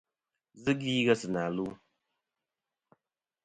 Zɨ gvi ghesi na lu.